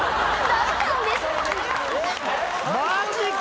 マジか！